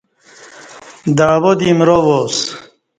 دعوا دی ایمرا وااسہ